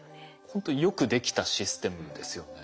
ほんとよくできたシステムですよね。